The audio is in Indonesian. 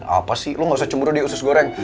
apa sih lo gak usah cemburu dia usus goreng